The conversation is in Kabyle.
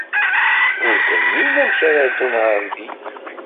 Ur d-nnin amek ara ddun ɣer din.